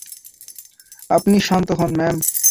আপনি শান্ত হোন, ম্যাম।